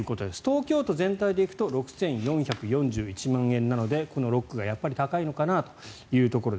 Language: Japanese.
東京と全体で行くと６４４１万円なのでこの６区がやっぱり高いのかなというところ。